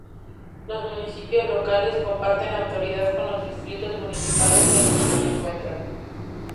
Los municipios locales comparten autoridad con los distritos municipales en los que se encuentran.